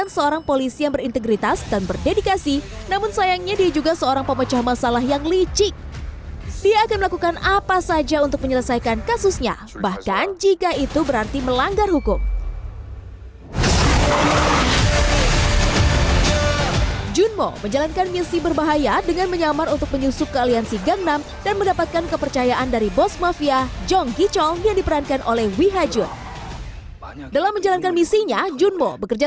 saya ferdilias pamit terima kasih selamat siang sampai jumpa